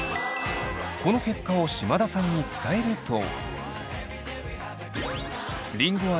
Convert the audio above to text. この結果を島田さんに伝えると。